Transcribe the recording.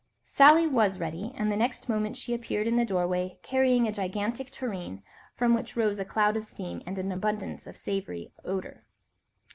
Sally was ready, and the next moment she appeared in the doorway carrying a gigantic tureen, from which rose a cloud of steam and an abundance of savoury odour.